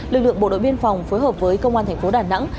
lực lượng bộ đội biên phòng phối hợp với công an tp đà nẵng